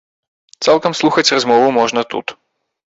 Цалкам слухаць размову можна тут.